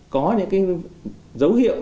có những dấu hiệu